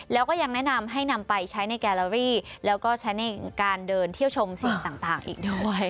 แล้วก็ยังแนะนำให้นำไปใช้ในแกลลารี่แล้วก็ใช้ในการเดินเที่ยวชมสิ่งต่างอีกด้วย